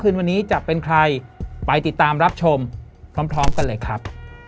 คืนวันนี้จะเป็นใครไปติดตามรับชมพร้อมกันเลยครับ